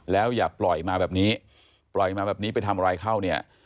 แล้วอย่าปล่อยมาแบบนี้ปล่อยมาแบบนี้ไปทำอะไรเข้าเนี่ย